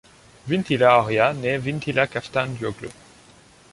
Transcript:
Vintila Horia naît Vintilă Caftangioglu.